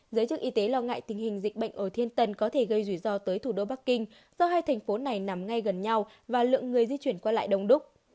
giới chức y tế lo ngại tình hình dịch bệnh ở thiên tân có thể gây rủi ro tới thủ đô bắc kinh do hai thành phố này nằm ngay gần nhau và lượng người di chuyển qua lại đông đúc